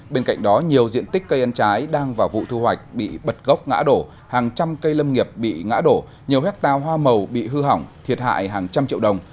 bên cạnh đó nhiều diện tích cây ăn trái đang vào vụ thu hoạch bị bật gốc ngã đổ hàng trăm cây lâm nghiệp bị ngã đổ nhiều hectare hoa màu bị hư hỏng thiệt hại hàng trăm triệu đồng